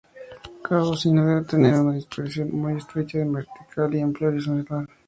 Cada bocina debe tener una dispersión muy estrecha en vertical y amplia en horizontal.